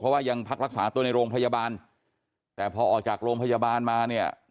เพราะว่ายังพักรักษาตัวในโรงพยาบาลแต่พอออกจากโรงพยาบาลมาเนี่ย